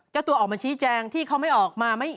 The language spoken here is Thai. จะตัวออกมาชี้แจงที่เขาไม่เริ่มออกมา